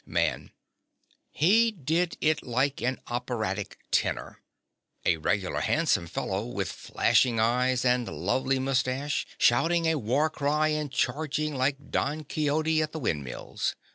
MAN. He did it like an operatic tenor—a regular handsome fellow, with flashing eyes and lovely moustache, shouting a war cry and charging like Don Quixote at the windmills.